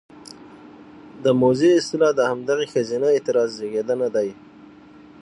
د موذي اصطلاح د همدغې ښځينه اعتراض زېږنده دى: